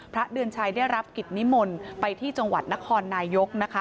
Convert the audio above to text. พระเดือนชัยได้รับกิจนิมนต์ไปที่จังหวัดนครนายกนะคะ